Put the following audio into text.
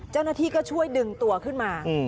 เจ้าหน้าที่ก็ช่วยดึงตัวขึ้นมา